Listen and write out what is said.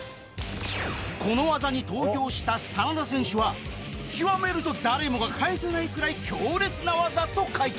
この技に投票した ＳＡＮＡＤＡ 選手は「極めると誰もが返せないくらい強烈な技」と回答